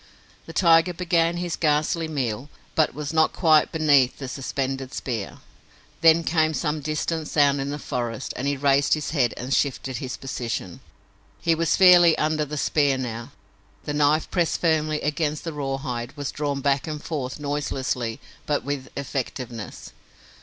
The tiger began his ghastly meal but was not quite beneath the suspended spear. Then came some distant sound in the forest and he raised his head and shifted his position. [Illustration: UPON THE STRONG SHAFT OF ASH THE MONSTER WAS IMPALED] He was fairly under the spear now. The knife pressed firmly against the rawhide was drawn back and forth noiselessly but with effectiveness.